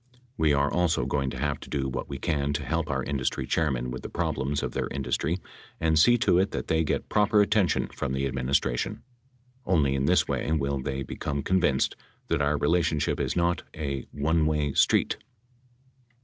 We are also going to have to do what we can to help our industry chairmen with problems of their industry and see to it that they get proper attention from the administration. Only in this way will they become con vinced that our relationship is not "a one way street."